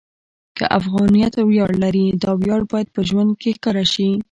که افغانیت ویاړ لري، دا ویاړ باید په ژوند کې ښکاره شي.